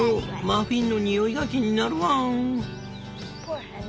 マフィンの匂いが気になるワン」。